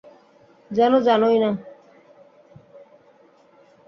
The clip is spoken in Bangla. যেনো জানোই না!